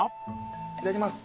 いただきます。